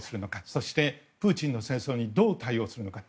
そしてプーチンの戦争にどう対応するのか。